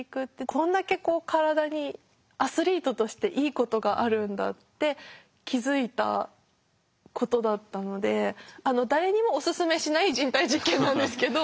こんだけこう体にアスリートとしていいことがあるんだって気付いたことだったのであの誰にもお勧めしない人体実験なんですけど。